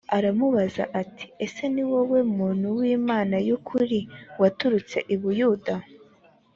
aramubaza ati ese ni wowe muntu w imana y ukuri waturutse i buyuda